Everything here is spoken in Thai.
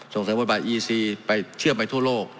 ส่งเสียงบริบาทเอียดซีไปเชื่อมไปทั่วโลก